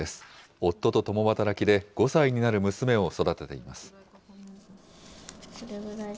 夫と共働きで、５歳になる娘を育てています。